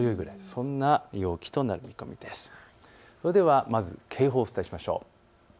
それではまず警報をお伝えしましょう。